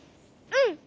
うん。